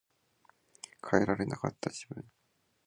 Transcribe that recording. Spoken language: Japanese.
変えられなかった自分